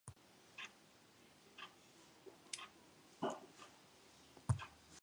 It reached number five in its fifth charting week.